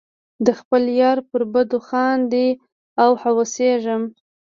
د خپل یار پر بدو خاندې او هوسیږم.